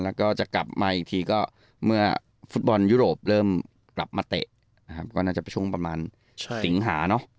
แล้วก็จะกลับมาอีกทีก็เมื่อฟุตบอลยุโรปเริ่มกลับมาเตะนะครับก็น่าจะช่วงประมาณสิงหาเนอะ